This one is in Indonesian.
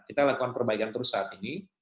kita lakukan perbaikan terus saat ini